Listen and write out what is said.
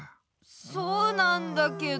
そうなんだけど。